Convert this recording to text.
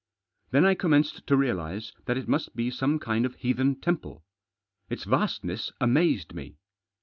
Then I commenced to realise that it must be some kind of heathen temple. Its vastness amazed me.